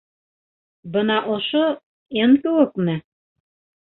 Бына ошо «Н» кеүекме?